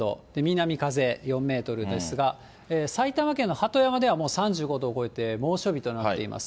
南風４メートルですが、埼玉県の鳩山ではもう３５度を超えて猛暑日となっています。